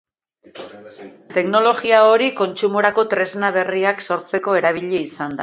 Teknologia hori kontsumorako tresna berriak sortzeko erabili izan da.